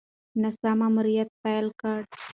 ناسا ماموریت پیل کړی.